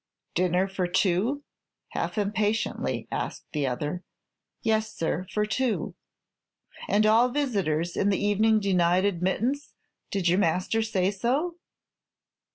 "Dinner for two?" half impatiently asked the other. "Yes, sir, for two." "And all visitors in the evening denied admittance? Did your master say so?"